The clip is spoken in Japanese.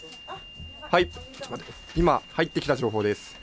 今入ってきた情報です。